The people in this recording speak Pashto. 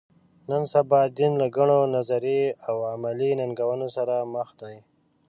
نن سبا دین له ګڼو نظري او عملي ننګونو سره مخ دی.